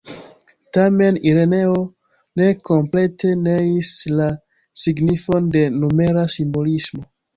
Tamen Ireneo ne komplete neis la signifon de numera simbolismo.